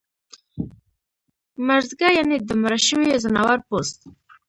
مړزګه یعنی د مړه شوي ځناور پوست